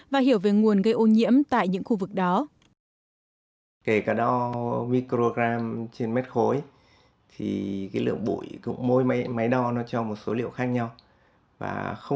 và hiểu về nguồn gây ô nhiễm tại những khu vực đó